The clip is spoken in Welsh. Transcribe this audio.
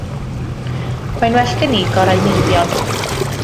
Mae'n well gen i gorau meibion.